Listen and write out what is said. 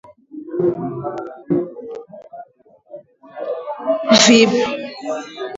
Vipindi virutubisho na uchafuzi vinaweza kuenea kwenye fefu